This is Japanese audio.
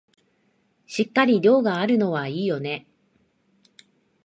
しっかり量があるのはいいよね